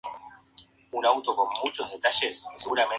Numerosos grupos locales se oponen al proyecto, como los indios Shoshone.